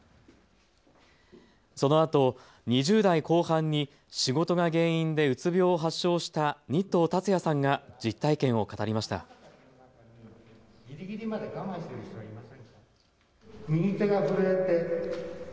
そのあと２０代後半に仕事が原因でうつ病を発症した日塔龍也さんが実体験を語りました。